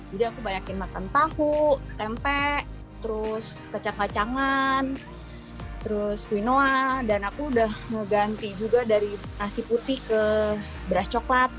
jadi aku banyak makan tahu tempe terus kacang kacangan terus quinoa dan aku udah mengganti juga dari nasi putih ke beras coklat